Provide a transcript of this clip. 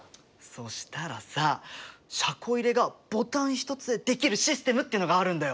そしたらさ車庫入れがボタン一つでできるシステムっていうのがあるんだよ。